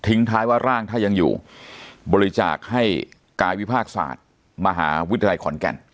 สิ่งท้ายว่าร่างถ้ายังอยู่บริจักต์ให้กายวิพากษ์ศาติมหาวิทยาลัยขอนแก่น